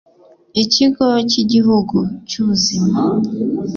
ikigo cy'igihugu cy'ubuzima